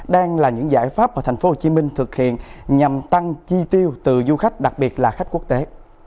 đang là những giải pháp mà tp hcm thực hiện nhằm tăng chi tiêu từ du khách đặc biệt là khách quốc tế